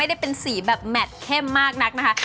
ได้เป็นสีแบบแมทเข้มมากนักนะคะ